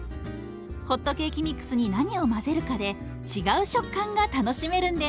ホットケーキミックスに何を混ぜるかで違う食感が楽しめるんです。